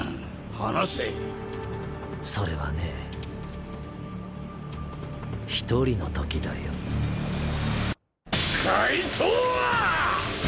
話せそれはね一人のときだよ回答は！